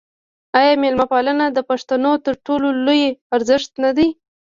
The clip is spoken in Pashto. آیا میلمه پالنه د پښتنو تر ټولو لوی ارزښت نه دی؟